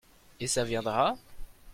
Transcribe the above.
Et ça viendra ?